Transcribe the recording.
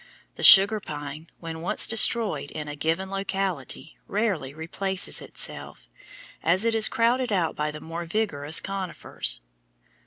The sugar pine, when once destroyed in a given locality, rarely replaces itself, as it is crowded out by the more vigorous conifers.